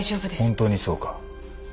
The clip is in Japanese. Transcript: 本当にそうか。